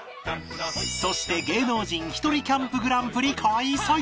そして芸能人ひとりキャンプグランプリ開催！